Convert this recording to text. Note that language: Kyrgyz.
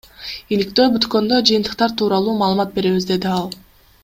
Иликтөө бүткөндө жыйынтыктар тууралуу маалымат беребиз, — деди ал.